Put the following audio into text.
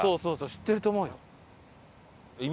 知ってると思うよ。